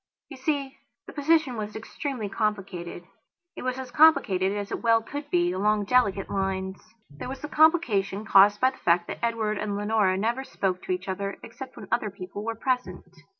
You see, the position was extremely complicated. It was as complicated as it well could be, along delicate lines. There was the complication caused by the fact that Edward and Leonora never spoke to each other except when other people were present.